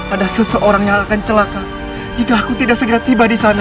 ada seseorang yang akan celaka jika aku tidak segera tiba di sana